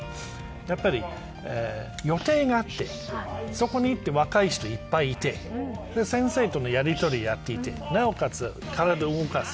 やっぱり予定があってそこに行って若い人がいっぱいいて先生とのやりとりをやっていてなおかつ、体を動かす。